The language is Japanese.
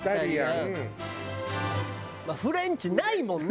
まあフレンチないもんね。